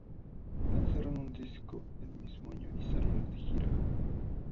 Lanzaron un disco el mismo año y salieron de gira.